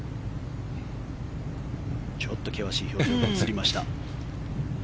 ちょっと険しい表情が映りました。